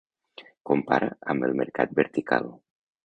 Compara amb el mercat vertical.